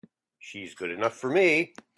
She's good enough for me!